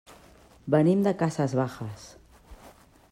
Venim de Casas Bajas.